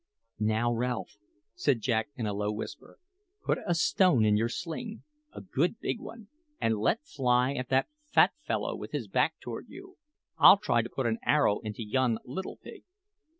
"Now, Ralph," said Jack in a low whisper, "put a stone in your sling a good big one and let fly at that fat fellow with his back toward you. I'll try to put an arrow into yon little pig."